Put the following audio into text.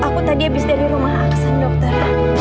aku tadi abis dari rumah aksan dokter